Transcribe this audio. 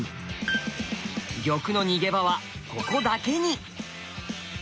玉の逃げ場はここだけに。